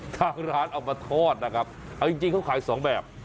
ทางร้านเอามาทอดนะครับเอาจริงเขาขายสองแบบ